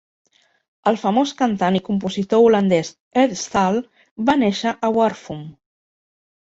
El famós cantant i compositor holandès Ede Staal va néixer en Warffum.